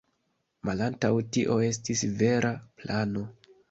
Malantaŭ tio estis vera plano.